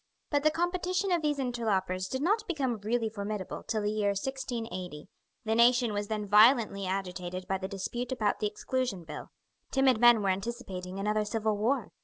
But the competition of these interlopers did not become really formidable till the year 1680. The nation was then violently agitated by the dispute about the Exclusion Bill. Timid men were anticipating another civil war.